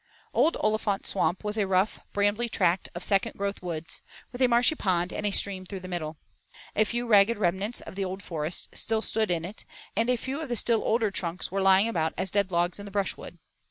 II Old Olifant's Swamp was a rough, brambly tract of second growth woods, with a marshy pond and a stream through the middle. A few ragged remnants of the old forest still stood in it and a few of the still older trunks were lying about as dead logs in the brushwood.